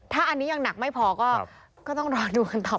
ถ้าอันนี้ยังหนักไม่พอก็ต้องรอดูกันต่อ